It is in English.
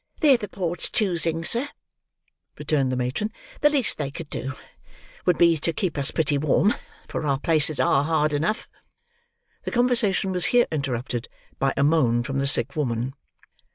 "They're the board's choosing, sir," returned the matron. "The least they could do, would be to keep us pretty warm: for our places are hard enough." The conversation was here interrupted by a moan from the sick woman.